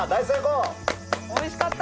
おいしかった！